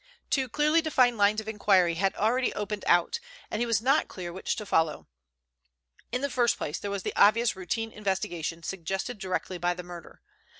Two clearly defined lines of inquiry had already opened out, and he was not clear which to follow. In the first place, there was the obvious routine investigation suggested directly by the murder.